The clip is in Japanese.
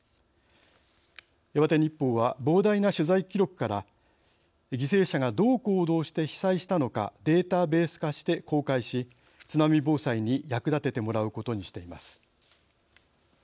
岩手日報は膨大な取材記録から犠牲者がどう行動して被災したのかデータベース化して公開し津波防災に役立ててもらうことにしています。